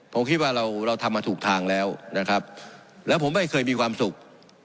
ผมคิดว่าเราเราทำมาถูกทางแล้วนะครับแล้วผมไม่เคยมีความสุข